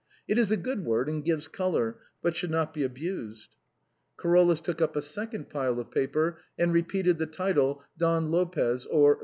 It is a good word, and gives color, but should not be abused." Carolus took up a second pile of paper, and repeated the title "Don Lopez; or.